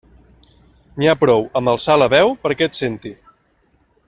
N'hi ha prou amb alçar la veu perquè et senti.